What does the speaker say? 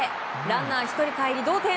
ランナー１人かえり同点。